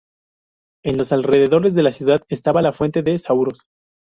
En los alrededores de la ciudad estaba la fuente de Sauros.